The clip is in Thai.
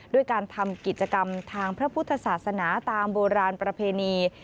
ด้วยการทำกิจกรรมทางพระพุทธศาสนาตามโบราณประเพณี